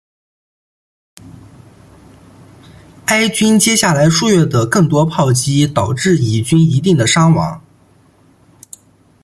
埃军接下来数月的更多炮击导致以军一定的伤亡。